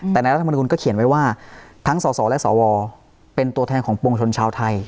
แต่ในรัฐมนุนก็เขียนไว้ว่าทั้งสสและสวเป็นตัวแทนของปวงชนชาวไทย